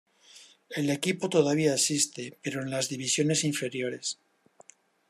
El equipo todavía existe, pero en las divisiones inferiores.